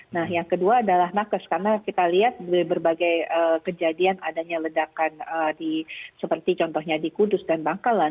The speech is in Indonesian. nah yang kedua adalah nakes karena kita lihat berbagai kejadian adanya ledakan seperti contohnya di kudus dan bangkalan